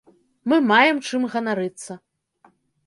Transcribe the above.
Мы маем чым ганарыцца.